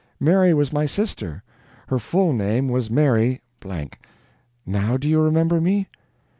Mary was my sister; her full name was Mary . NOW do you remember me?"